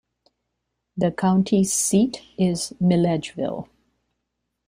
The county seat is Milledgeville.